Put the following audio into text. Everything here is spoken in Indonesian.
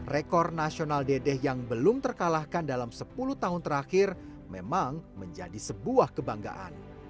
rekor nasional dedeh yang belum terkalahkan dalam sepuluh tahun terakhir memang menjadi sebuah kebanggaan